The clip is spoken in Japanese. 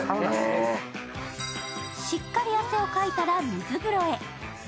しっかり汗をかいたら水風呂へ。